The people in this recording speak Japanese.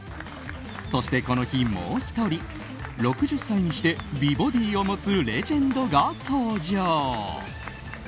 そしてこの日、もう１人６０歳にして美ボディーを持つレジェンドが登場。